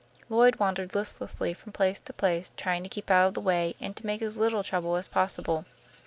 Lloyd wandered listlessly from place to place, trying to keep out of the way, and to make as little trouble as possible.